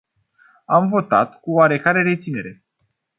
Am votat cu o oarecare reținere.